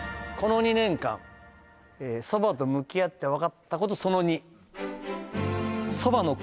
「この２年間蕎麦と向き合って分かった事その２」